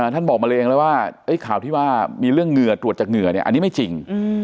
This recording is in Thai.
ท่านบอกมาเลยเองแล้วว่าข่าวที่ว่ามีเรื่องเหงื่อตรวจจากเหงื่อเนี่ยอันนี้ไม่จริง